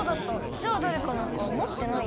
じゃあだれかなんかもってない？